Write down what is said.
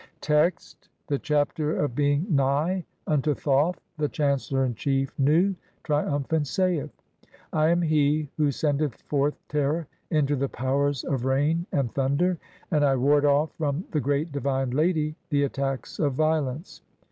Text: (1) The Chapter of being nigh unto Thoth. The chancellor in chief, Nu, triumphant, saith :— (2) "I am he who sendeth forth terror into the powers of rain "and thunder, and I ward off from the great divine lady the "attacks of violence.